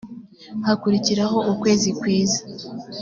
hakurikiraho ukwezi kwiza